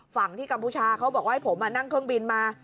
ฝั่งที่กัมพูชาเขาบอกว่าให้ผมนั่งเครื่องบินมา